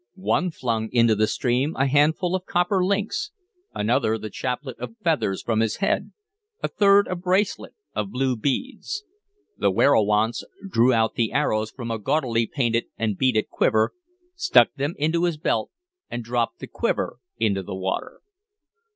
One flung into the stream a handful of copper links, another the chaplet of feathers from his head, a third a bracelet of blue beads. The werowance drew out the arrows from a gaudily painted and beaded quiver, stuck them into his belt, and dropped the quiver into the water.